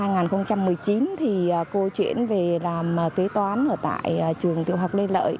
năm hai nghìn một mươi chín thì cô chuyển về làm kế toán ở tại trường tiểu học lê lợi